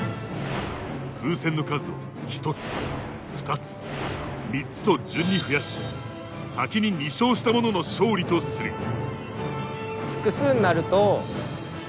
風船の数を１つ２つ３つと順に増やし先に２勝した者の勝利とする。